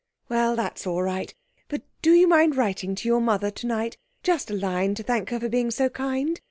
'Well, that's all right. But do you mind writing to your mother tonight, just a line to thank her for being so kind?